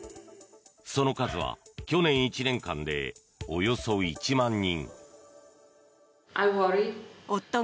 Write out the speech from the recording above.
その数は去年１年間でおよそ１万人。